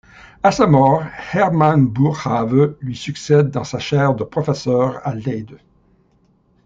À sa mort, Herman Boerhaave lui succède dans sa chaire de professeur à Leyde.